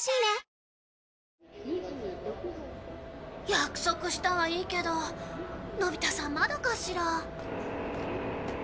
約束したはいいけどのび太さんまだかしら？